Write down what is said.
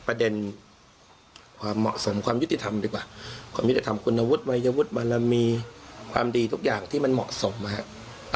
ประเด็นความเหมาะสมความยุติธรรมดีกว่าความยุติธรรมคุณวุฒิวัยวุฒิบารมีความดีทุกอย่างที่มันเหมาะสมนะครับ